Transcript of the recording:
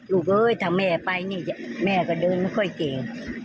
เอ้ยถ้าแม่ไปนี่แม่ก็เดินไม่ค่อยเก่ง